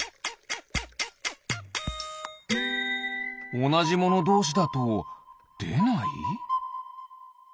おなじものどうしだとでない？